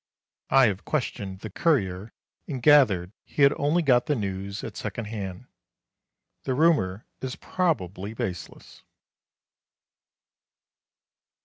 I have questioned the courier and gathered he had only got the news at second hand. The rumour is probably baseless.